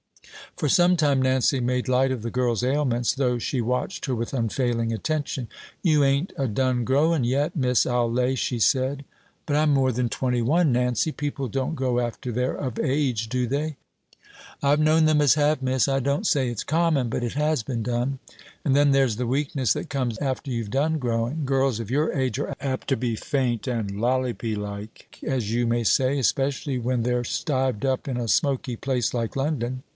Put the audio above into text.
For some time Nancy made light of the girl's ailments, though she watched her with unfailing attention. "You ain't a done growing yet, miss, I'll lay," she said. "But I'm more than twenty one, Nancy. People don't grow after they're of age, do they?" "I've known them as have, miss; I don't say it's common, but it has been done. And then there's the weakness that comes after you've done growing. Girls of your age are apt to be faint and lollopy like, as you may say; especially when they're stived up in a smoky place like London.